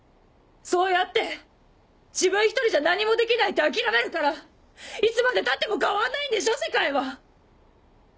そうやって自分一人じゃ何もできないって諦めるからいつまでたっても変わんないんでしょ世界は！